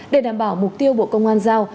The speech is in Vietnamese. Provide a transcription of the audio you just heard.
để đảm bảo mục tiêu bộ công an giao